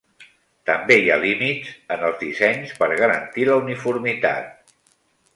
També hi ha límits en els dissenys per garantir la uniformitat.